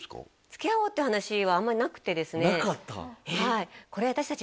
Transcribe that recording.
つきあおうって話はあんまりなくてですねなかった？